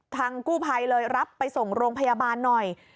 ทางกู้ภัยเลยรับไปส่งโรงพยาบาลหน่อย